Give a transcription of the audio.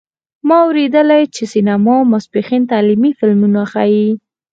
ما اوریدلي چې سینما ماسپښین تعلیمي فلمونه ښیې